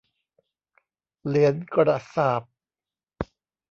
เหรียญกระษาปณ์